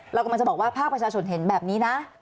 เรากำลังจะบอกว่าภาคประชาชนเห็นแบบนี้นะ